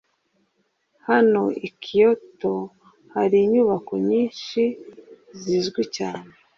Hano i Kyoto hari inyubako nyinshi zizwi cyane